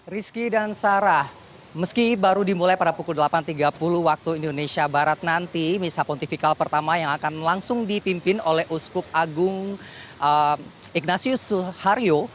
rizky dan sarah meski baru dimulai pada pukul delapan tiga puluh waktu indonesia barat nanti misa pontifikal pertama yang akan langsung dipimpin oleh uskup agung ignatius suharyo